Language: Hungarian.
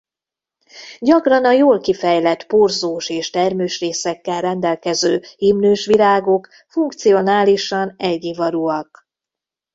Gyakran a jól kifejlett porzós és termős részekkel rendelkező hímnős virágok funkcionálisan egyivarúak.